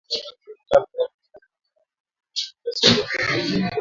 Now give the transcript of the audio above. Okapi anapatikana tu mu jamhuri ya democrasia ya kongo